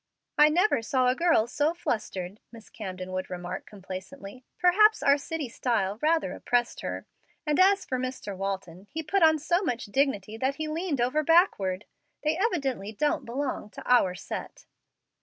"I never saw a girl so flustered," Mrs. Camden would remark, complacently. "Perhaps our city style rather oppressed her; and as for Mr. Walton, he put on so much dignity that he leaned over backward. They evidently don't belong to our set."